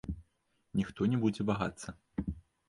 Ніхто не будзе вагацца.